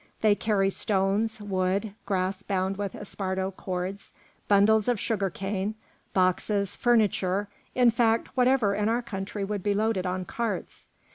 They carry stones, wood, grass bound with esparto cords, bundles of sugar cane, boxes, furniture, in fact, whatever in our country would be loaded on carts.